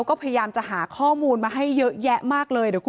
พวกผมไม่มีอะไรเลย